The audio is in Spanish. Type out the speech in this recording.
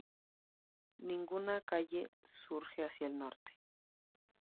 Ninguna calle surge hacia el norte.